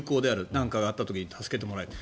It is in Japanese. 何かあった時に助けてもらえる。